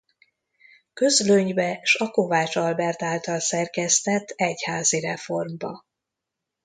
Közlönybe s a Kovács Albert által szerkesztett Egyházi Reformba.